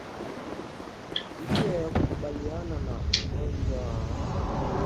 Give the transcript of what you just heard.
Njia ya kukabiliana na ugonjwa wa kuoza kwato ni kuondoa samadi kwenye maboma